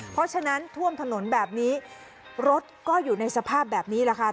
เพราะฉะนั้นท่วมถนนแบบนี้รถก็อยู่ในสภาพแบบนี้แหละค่ะ